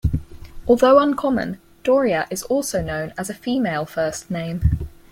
Although uncommon, Doria is also known as a female first name.